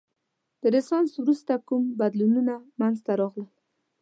د رنسانس وروسته کوم بدلونونه منځته راغلل؟